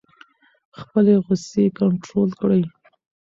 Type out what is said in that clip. خپلې غصې کنټرول کړئ.